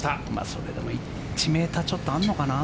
それでも１ｍちょっとあるのかな。